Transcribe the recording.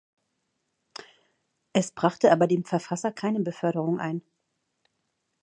Es brachte aber dem Verfasser keine Beförderung ein.